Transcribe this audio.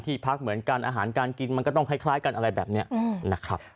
พักเหมือนกันอาหารการกินมันก็ต้องคล้ายกันอะไรแบบนี้นะครับ